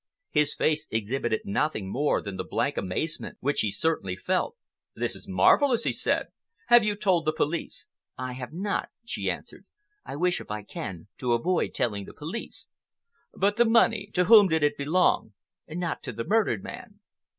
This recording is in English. His face exhibited nothing more than the blank amazement which he certainly felt. "This is marvelous," he said. "Have you told the police?" "I have not," she answered. "I wish, if I can, to avoid telling the police." "But the money? To whom did it belong?" "Not to the murdered man."